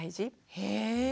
へえ！